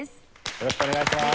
よろしくお願いします。